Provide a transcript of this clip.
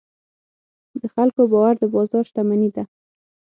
د خلکو باور د بازار شتمني ده.